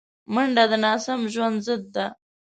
منډه د ناسم ژوند ضد ده